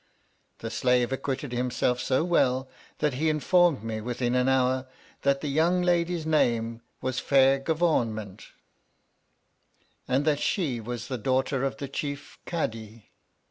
The slave acquitted himself so well, that he informed me within an hour that the young lady's name was FAIR GUVAWNMENT, and that she was the daughter of the chief Cadi.